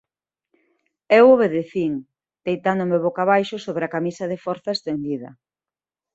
Eu obedecín, deitándome boca abaixo sobre a camisa de forza estendida.